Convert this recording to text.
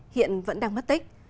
hiện vẫn đang mất tích